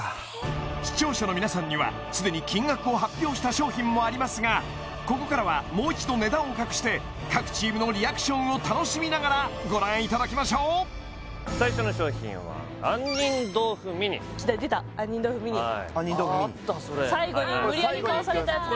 視聴者の皆さんにはすでに金額を発表した商品もありますがここからはもう一度値段を隠して各チームのリアクションを楽しみながらご覧いただきましょう最初の商品は杏仁豆腐ミニきたでた杏仁豆腐ミニあああったそれ最後に無理やり買わされたやつです